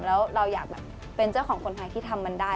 แล้วเราอยากแบบเป็นเจ้าของคนไทยที่ทำมันได้